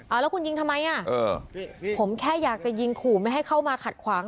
เอาแล้วคุณยิงทำไมอ่ะเออผมแค่อยากจะยิงขู่ไม่ให้เข้ามาขัดขวาง